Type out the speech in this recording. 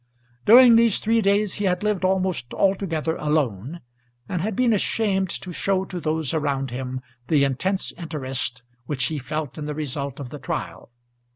During these three days he had lived almost altogether alone, and had been ashamed to show to those around him the intense interest which he felt in the result of the trial.